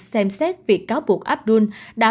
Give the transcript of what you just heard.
xem xét việc cáo buộc abdul đã